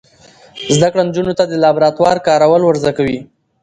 زده کړه نجونو ته د لابراتوار کارول ور زده کوي.